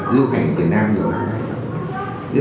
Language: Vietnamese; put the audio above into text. lưu cảnh việt nam nhiều năm nay